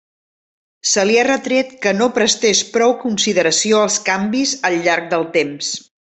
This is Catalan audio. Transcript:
Se li ha retret que no prestés prou consideració als canvis al llarg del temps.